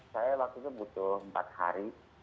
saya waktu itu butuh empat hari